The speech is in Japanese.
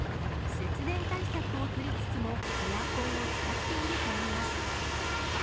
節電対策を取りつつも、エアコンを使っているといいます。